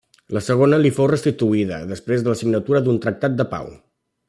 La segona li fou restituïda després de la signatura d'un tractat de pau.